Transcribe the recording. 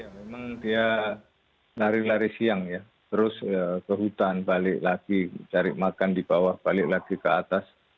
memang dia lari lari siang ya terus ke hutan balik lagi cari makan di bawah balik lagi ke atas